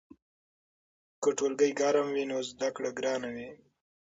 که ټولګی ګرم وي نو زده کړه ګرانه وي.